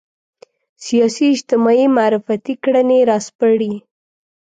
سیاسي اجتماعي معرفتي کړنې راسپړي